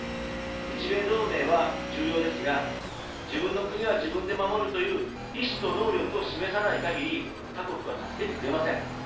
日米同盟は重要ですが、自分の国は自分で守るという意志と能力を示さないかぎり、他国は助けてくれません。